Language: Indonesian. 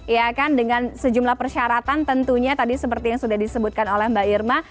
ya kan dengan sejumlah persyaratan tentunya tadi seperti yang sudah disebutkan oleh mbak irma